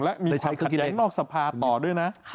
และมีคำขัดแย้งนอกสภาต่อด้วยนะ